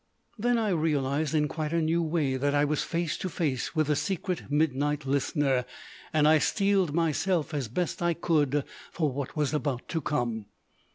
Then I realised in quite a new way that I was face to face with the secret midnight Listener, and I steeled myself as best I could for what was about to come.